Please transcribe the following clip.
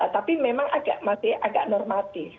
tapi memang masih agak normatif